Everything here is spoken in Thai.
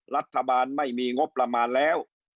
รัฐบาลไม่มีงบประมาณแล้ว